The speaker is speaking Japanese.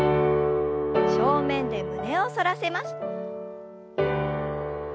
正面で胸を反らせます。